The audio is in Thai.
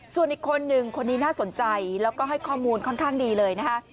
ส่วนอีกคนนึงคนนี้น่าสนใจแล้วก็ให้ข้อมูลค่อนข้างดีเลยนะคะ